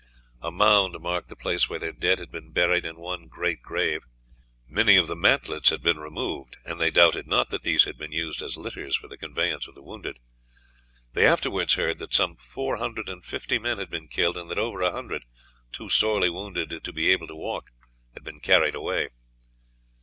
A mound marked the place where their dead had been buried in one great grave. Many of the mantlets had been removed, and they doubted not that these had been used as litters for the conveyance of the wounded. They afterwards heard that some four hundred and fifty men had been killed, and that over a hundred, too sorely wounded to be able to walk, had been carried away.